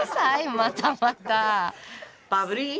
またまた。